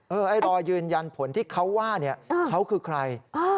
เออรอยืนยันผลที่เขาว่าเขาคือใคร